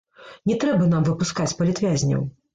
Не трэба нам выпускаць палітвязняў!